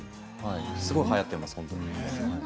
すごいはやっています、本当に。